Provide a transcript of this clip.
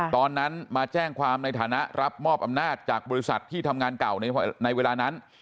ตอนนั้นมาแจ้งความในฐานะรับมอบอำนาจจากบริษัทที่ทำงานเก่าในเวลานั้น